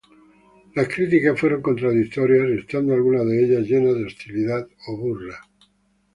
Las críticas fueron contradictorias estando, algunas de ellas, llenas de hostilidad o burla.